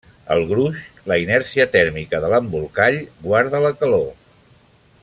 El gruix, la inèrcia tèrmica de l'embolcall, guarda la calor.